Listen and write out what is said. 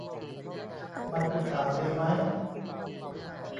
มันเป็นข่าวดีมั้ย